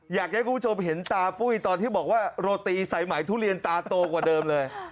อยากให้คุณผู้ชมเห็นตาปุ้ยตอนที่บอกว่าโรตีสายไหมทุเรียนตาโตกว่าเดิมเลย